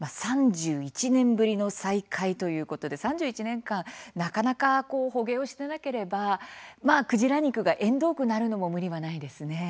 ３１年ぶりの再開ということで３１年間、なかなか捕鯨をしていなければクジラ肉が縁遠くなるのも無理はないですね。